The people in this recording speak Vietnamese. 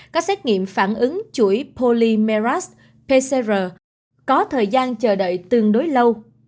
các xét nghiệm phản ứng chuỗi polymerat pcr có thời gian chờ đợi tương đối lâu